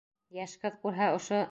Йәш ҡыҙ күрһә, ошо...